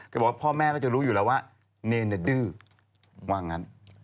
บอกว่าพ่อแม่น่าจะรู้อยู่แล้วว่าเนรดื้อว่างั้น